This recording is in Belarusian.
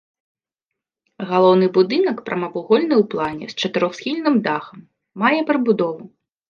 Галоўны будынак прамавугольны ў плане, з чатырохсхільным дахам, мае прыбудову.